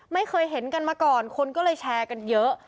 ไม่เคยเห็นกันมาก่อนคนก็เลยแชร์กันเยอะ